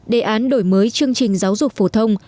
đề án đổi mới chương trình giáo dục phổ thông